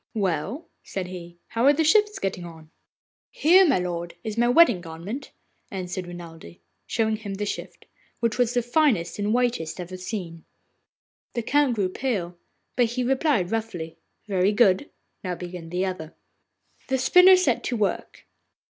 'Well,' said he, 'how are the shifts getting on?' 'Here, my lord, is my wedding garment,' answered Renelde, showing him the shift, which was the finest and whitest ever seen. The Count grew pale, but he replied roughly, 'Very good. Now begin the other.' The spinner set to work.